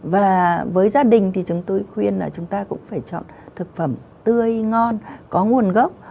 và với gia đình thì chúng tôi khuyên là chúng ta cũng phải chọn thực phẩm tươi ngon có nguồn gốc